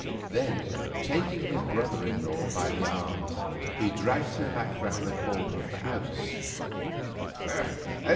Then, taking his brother in law by the arm, he dragged him back round the corner of the house.